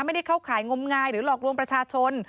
ไม่ได้เข้าข่ายงมงายหรือหลอกลวงประชาชน